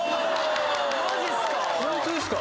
マジっすか？